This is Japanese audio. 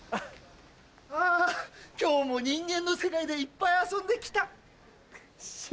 あ今日も人間の世界でいっぱい遊んで来た。